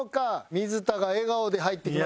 水田が笑顔で入ってきました。